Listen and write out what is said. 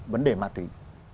vấn đề ma túy